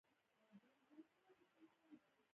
دا په دې برخه کې د عواملو پېژندنه ده.